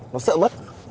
nó sợ mất